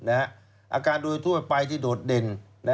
อาการโดยทั่วไปที่โดดเด่น